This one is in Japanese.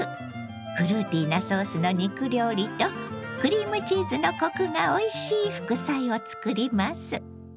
フルーティーなソースの肉料理とクリームチーズのコクがおいしい副菜を作ります。